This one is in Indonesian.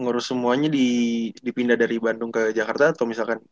ngurus semuanya dipindah dari bandung ke jakarta atau misalkan